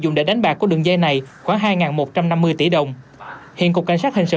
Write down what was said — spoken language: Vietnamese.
dùng để đánh bạc của đường dây này khoảng hai một trăm năm mươi tỷ đồng hiện cục cảnh sát hình sự